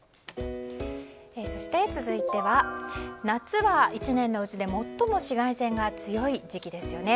そして、続いては夏は１年のうちで最も紫外線が強い時期ですよね。